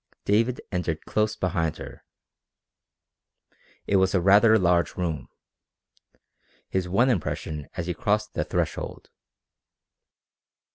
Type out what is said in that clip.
David entered close behind her. It was a rather large room his one impression as he crossed the threshold.